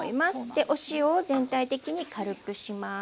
でお塩を全体的に軽くします。